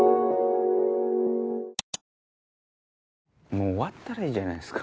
もう終わったらいいじゃないですか。